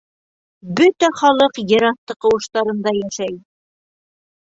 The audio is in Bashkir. Бөтә халыҡ ер аҫты ҡыуыштарында йәшәй.